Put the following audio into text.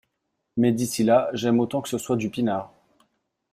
mais d’ici là j’aime autant que ce soit du pinard.